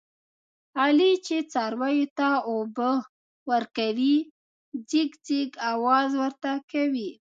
علي چې څارویو ته اوبه ورکوي، ځیږ ځیږ اواز ورته کوي.